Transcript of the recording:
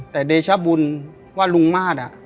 แต่เดชบุญว่าลุงมาตร